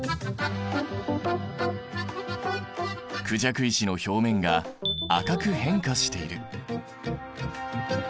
クジャク石の表面が赤く変化している。